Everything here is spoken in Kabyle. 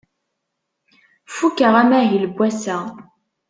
Fukeɣ amahil n wass-a.